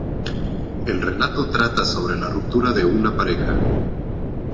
El relato trata sobre la ruptura de una pareja.